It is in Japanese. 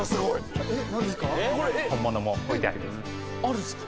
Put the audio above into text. あるんすか？